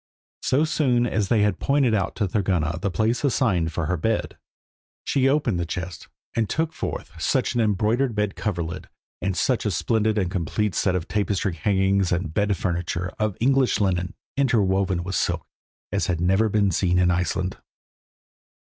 So soon as they had pointed out to Thorgunna the place assigned for her bed, she opened the chest, and took forth such an embroidered bed coverlid, and such a splendid and complete set of tapestry hangings, and bed furniture of English linen, interwoven with silk, as had never been seen in Iceland.